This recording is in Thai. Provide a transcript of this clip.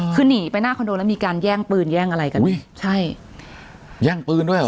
คือหนีไปหน้าคอนโดแล้วมีการแย่งปืนแย่งอะไรกันอุ้ยใช่แย่งปืนด้วยเหรอ